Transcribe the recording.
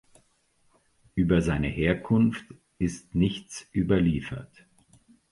Über seine Herkunft ist nichts überliefert.